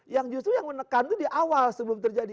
yang justru yang menekan itu di awal sebelum terjadi